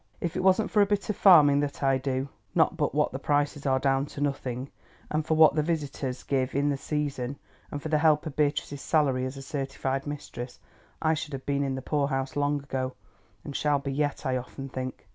If it wasn't for a bit of farming that I do, not but what the prices are down to nothing, and for what the visitors give in the season, and for the help of Beatrice's salary as certificated mistress, I should have been in the poor house long ago, and shall be yet, I often think.